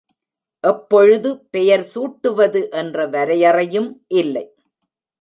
எப்பொழுது பெயர் சூட்டுவது என்ற வரையறையும் இல்லை.